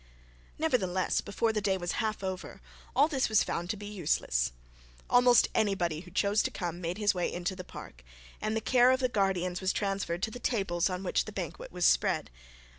Nevertheless, before the day was half over, all this was found to be useless. Almost anybody who chose to come made his way into the park, and the care of the guardians was transferred to the tables on which the banquet was spread.